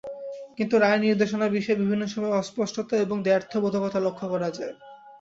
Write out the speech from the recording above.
কিন্তু রায়ের নির্দেশনা বিষয়ে বিভিন্ন সময়ে অস্পষ্টতা এবং দ্ব্যর্থবোধকতা লক্ষ করা যায়।